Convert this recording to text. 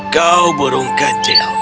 kau burung kecil